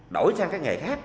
đổi sang cái nghề khác